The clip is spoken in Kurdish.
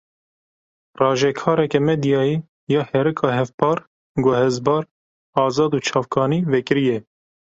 Rajekareke medyayê ya herika hevpar, guhezbar, azad û çavkanî vekirî ye.